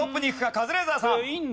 カズレーザーさん。